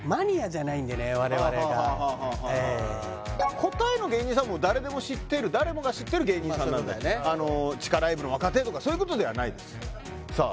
はあはあ答えの芸人さんも誰でも知ってる誰もが知ってる芸人さんなんであの地下ライブの若手とかそういうことではないですさあ